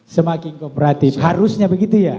semakin kooperatif harusnya begitu ya